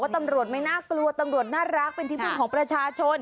ตำรวจไม่น่ากลัวตำรวจน่ารักเป็นที่พึ่งของประชาชน